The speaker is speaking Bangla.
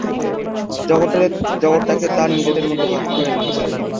জগৎটাকে তাঁরা নিজেদের মধ্যে ভাগ করে নিয়েছিলেন।